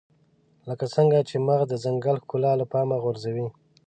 لکه څنګه چې مغز د ځنګل ښکلا له پامه غورځوي.